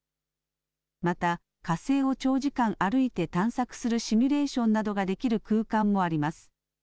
また、火星を長時間歩いて探索するシミュレーションなどができる空間もあります。